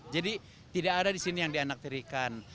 jadi tidak ada di sini yang dianak terikan